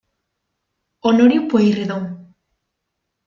Honorio Pueyrredón.